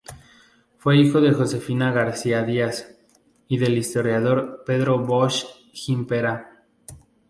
Fue hijo de Josefina García Díaz y el historiador Pedro Bosch Gimpera.